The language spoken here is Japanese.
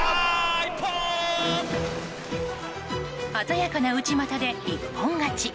鮮やかな内股で一本勝ち。